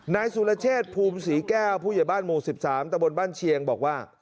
นายสุรเชษภูมิศรีแก้วผู้ใหญ่บ้านหมู่๑๓ตะบนบ้านเชียงบอกว่า